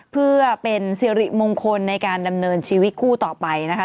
เพื่อเป็นสิริมงคลในการดำเนินชีวิตคู่ต่อไปนะคะ